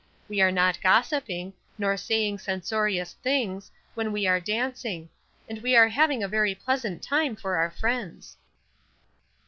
We are not gossiping, nor saying censorious things, when we are dancing; and we are having a very pleasant time for our friends."